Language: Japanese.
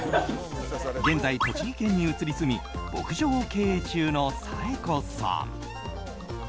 現在、栃木県に移り住み牧場を経営中の紗栄子さん。